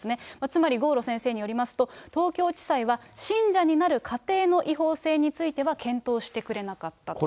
つまり郷路先生によりますと、東京地裁は、信者になる過程の違法性については検討してくれなかったと。